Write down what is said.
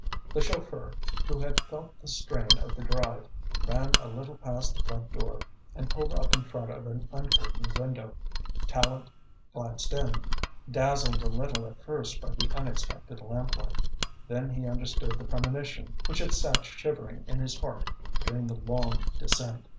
The chauffeur, who had felt the strain of the drive, ran a little past the front door and pulled up in front of an uncurtained window. Tallente glanced in, dazzled a little at first by the unexpected lamplight. Then he understood the premonition which had sat shivering in his heart during the long descent.